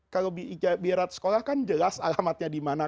kalau biarat sekolah kan jelas alamatnya dimana